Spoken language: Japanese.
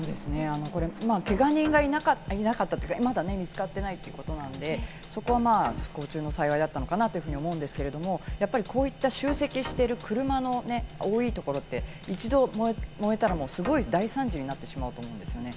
けが人がいなかったというか、まだ見つかってないということなんで、そこは不幸中の幸いだったのかなというふうに思うんですけれども、こういった集積してる車の多い所って、一度燃えたら、すごい大惨事になってしまうと思うんですよね。